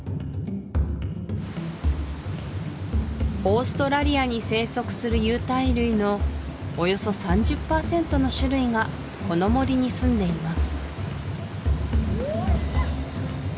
オーストラリアに生息する有袋類のおよそ３０％の種類がこの森にすんでいます